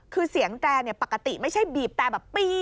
คือเสียงแตรปกติไม่ใช่บีบแต่แบบปี้